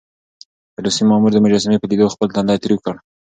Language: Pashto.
روسي مامور د مجسمې په ليدو خپل تندی تريو کړ.